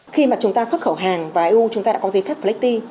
khi mà chúng ta xuất khẩu hàng và eu chúng ta đã có giấy phép flecti